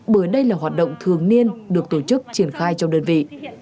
bởi đây là hoạt động thường niên được tổ chức triển khai trong đơn vị